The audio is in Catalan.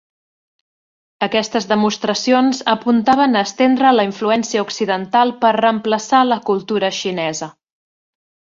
Aquestes demostracions apuntaven a estendre la influència occidental per reemplaçar la cultura xinesa.